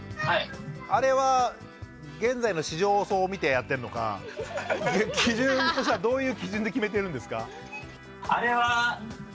あれは現在の市場を見てやってるのか基準としてはどういう基準で決めてるんですか？